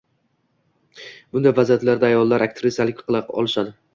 Bunday vaziyatlarda ayollar aktrisalik qila olishadi